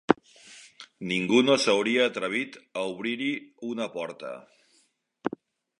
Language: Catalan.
Ningú no s'hauria atrevit a obrir-hi una porta.